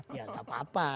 ya enggak apa apa